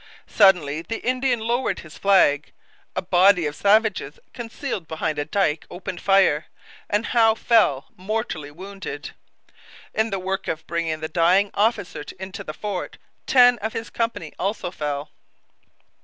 Suddenly the Indian lowered his flag, a body of savages concealed behind a dike opened fire, and Howe fell, mortally wounded. In the work of bringing the dying officer into the fort ten of his company also fell.